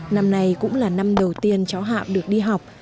năm này cũng là năm đầu tiên cháu hạo được đi học